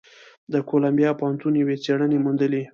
د کولمبیا پوهنتون یوې څېړنې موندلې،